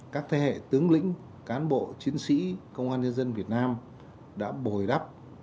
các thế hệ tướng lĩnh cán bộ chiến sĩ công an nhân dân việt nam đã bồi đắp